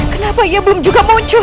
kenapa ia belum juga muncul